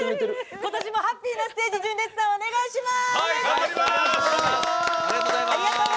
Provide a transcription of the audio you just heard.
ことしもハッピーなステージ純烈さん、お願いします！